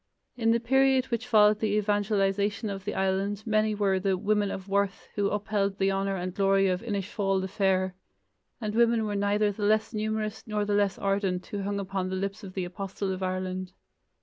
In the period which followed the evangelization of the island many were the "women of worth" who upheld the honor and glory of "Inisfail the Fair", and women were neither the less numerous nor the less ardent who hung upon the lips of the Apostle of Ireland.